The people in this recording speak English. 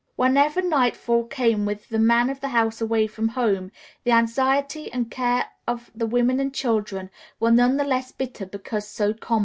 Whenever nightfall came with the man of the house away from home, the anxiety and care of the women and children were none the less bitter because so common.